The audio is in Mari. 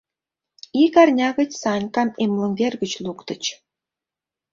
Ик арня гыч Санькам эмлымвер гыч луктыч.